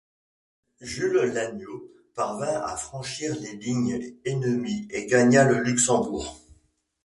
Jules Lagneau parvint à franchir les lignes ennemies et gagna le Luxembourg.